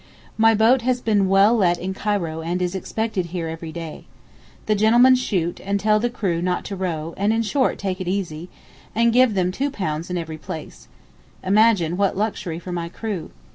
My boat has been well let in Cairo and is expected here every day. The gentlemen shoot, and tell the crew not to row, and in short take it easy, and give them £2 in every place. Imagine what luxury for my crew.